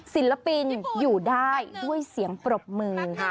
ศิลปินอยู่ได้ด้วยเสียงปรบมือ